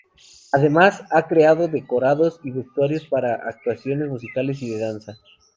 Además, ha creado decorados y vestuarios para actuaciones musicales y de danza.